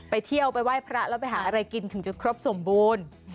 ไปเที่ยวไปไหว้พระแล้วไปหาอะไรกินถึงจะครบสมบูรณ์